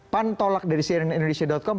pan tolak dari cnn indonesia com